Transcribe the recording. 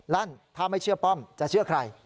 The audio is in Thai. ลั่นถ้าไม่เชื่อป้อมจะเชื่อใคร